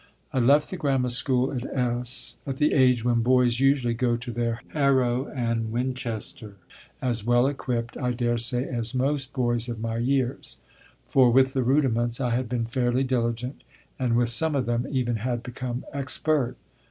I left the Grammar School at S , at the age when boys usually go to their Harrow and Winchester, as well equipped, I daresay, as most boys of my years; for with the rudiments I had been fairly diligent, and with some of them even had become expert.